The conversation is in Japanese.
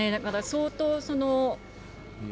相当。